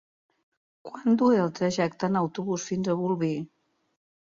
Quant dura el trajecte en autobús fins a Bolvir?